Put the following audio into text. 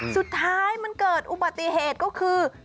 สุดท้ายมันเกิดอุบัติเหตุก็คือ